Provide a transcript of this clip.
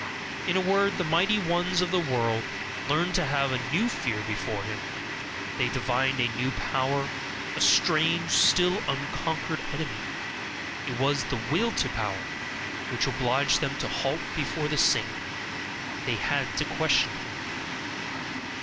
In a word, the mighty ones of the world learned to have a new fear before him, they divined a new power, a strange, still unconquered enemy: it was the "Will to Power" which obliged them to halt before the saint. They had to question him.